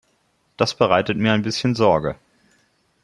Das bereitet mir ein bisschen Sorge.